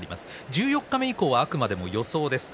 十四日目以降はあくまでも予想です。